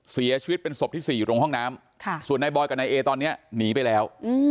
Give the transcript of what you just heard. เสียชีวิตเป็นศพที่๔อยู่ตรงห้องน้ำส่วนนายบอยกับนายเอตอนนี้หนีไปแล้ว